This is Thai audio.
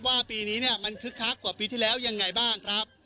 ปีนี้เนี่ยมันคึกคักกว่าปีที่แล้วยังไงบ้างครับ